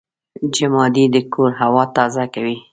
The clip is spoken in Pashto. جمادې د کور هوا تازه کوي.